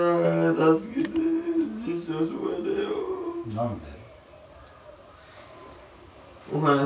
何で？